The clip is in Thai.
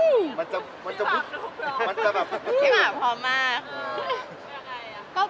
อู้ววววมันจะพี่หมาพอมาก